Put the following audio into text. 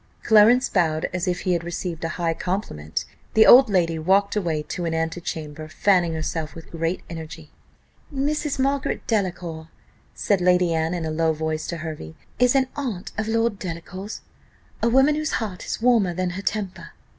Clarence bowed as if he had received a high compliment the old lady walked away to an antechamber, fanning herself with great energy. "Mrs. Margaret Delacour," said Lady Anne, in a low voice to Hervey, "is an aunt of Lord Delacour's. A woman whose heart is warmer than her temper."